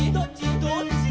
「どっち」